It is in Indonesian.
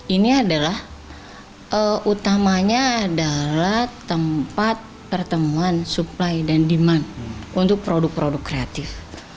ini adalah utamanya adalah tempat pertemuan supply dan demand untuk produk produk kreatif